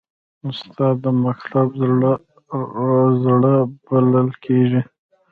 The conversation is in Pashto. استاد د مکتب زړه بلل کېږي.